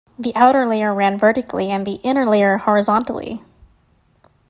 The outer layer ran vertically and the inner layer horizontally.